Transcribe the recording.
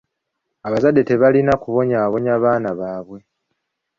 Abazadde tebalina kubonyaabonya baana baabwe.